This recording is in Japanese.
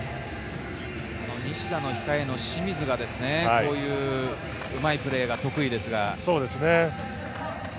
西田の控えの清水がこういううまいプレーが得意ですが。